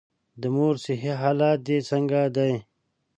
د مور صحي حالت دي څنګه دی؟